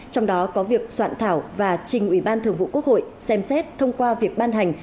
trong đó có việc soạn thảo và trình ủy ban thường vụ quốc hội xem xét thông qua việc ban hành